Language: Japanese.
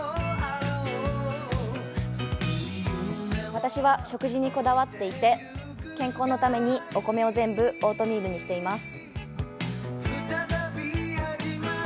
私は食事にこだわっていて、健康のためにお米を全部オートミールにしています。